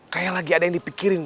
kayak lagi ada yang dipikirin